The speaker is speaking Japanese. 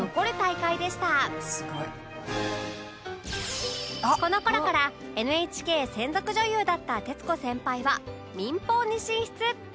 「すごい」この頃から ＮＨＫ 専属女優だった徹子先輩は民放に進出！